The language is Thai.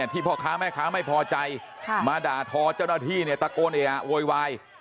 พ่อค้าแม่ค้าไม่พอใจมาด่าทอเจ้าหน้าที่เนี่ยตะโกนเออะโวยวาย